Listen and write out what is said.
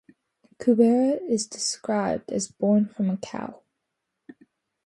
Kubera is described as born from a cow.